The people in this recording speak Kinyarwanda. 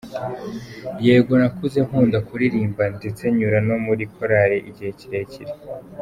Yego nakuze nkunda kuririmba ndetse nyura no muri korali igihe kirekire.